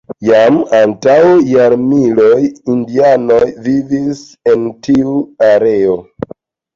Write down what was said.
Jam antaŭ jarmiloj indianoj vivis en tiu areo.